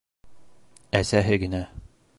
Әсәһе генә: